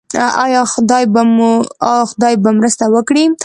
آیا خدای به مرسته وکړي؟